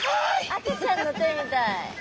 赤ちゃんの手みたい。